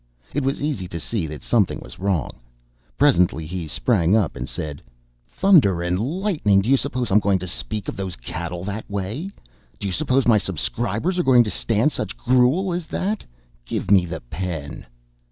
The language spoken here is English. It was easy to see that something was wrong. Presently he sprang up and said: "Thunder and lightning! Do you suppose I am going to speak of those cattle that way? Do you suppose my subscribers are going to stand such gruel as that? Give me the pen!"